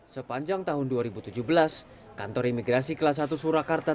sepanjang tahun dua ribu tujuh belas kantor imigrasi kelas satu surakarta